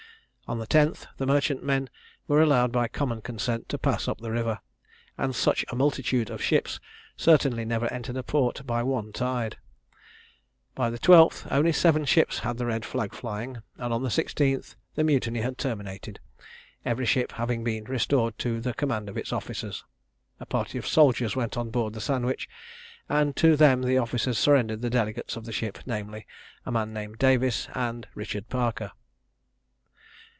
On the 10th, the merchantmen were allowed by common consent to pass up the river, and such a multitude of ships certainly never entered a port by one tide. By the 12th, only seven ships had the red flag flying, and on the 16th the mutiny had terminated, every ship having been restored to the command of its officers. A party of soldiers went on board the Sandwich, and to them the officers surrendered the delegates of the ship, namely, a man named Davies, and Richard Parker.